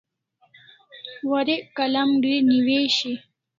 Warek kalam gri newishi